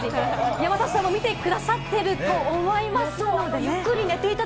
山里さんも見てくださってると思いますので。